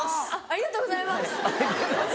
ありがとうございます！